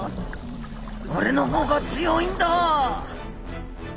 「俺の方が強いんだ！」